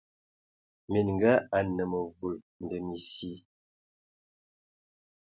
Minga anə məvul ndəm esil.